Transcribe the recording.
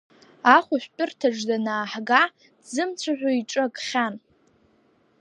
Ахәышәтәырҭаҿ данааҳга, дзымцәажәо иҿы акхьан.